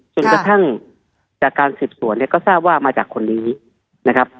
จนกระทั่งจากการสืบสวนเนี่ยก็ทราบว่ามาจากคนนี้นะครับ